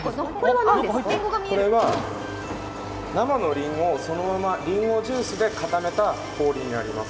これは生のりんごをそのままりんごジュースで固めた氷になります。